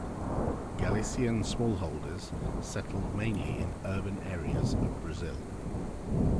Galician smallholders settled mainly in urban areas of Brazil.